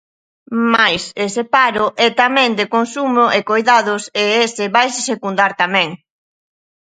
Mais ese paro é tamén de consumo e coidados e ese vaise secundar tamén.